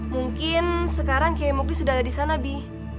mungkin sekarang kiai mukli sudah ada di sana bi